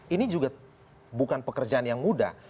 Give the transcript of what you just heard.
ini juga bukan pekerjaan yang mudah